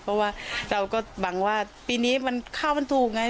เพราะว่าเราก็หวังว่าปีนี้มันข้าวมันถูกไง